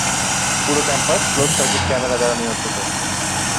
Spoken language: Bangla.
পুরো ক্যাম্পাস ক্লোজ সার্কিট ক্যামেরা দ্বারা নিয়ন্ত্রিত।